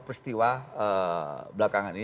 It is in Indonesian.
peristiwa belakangan ini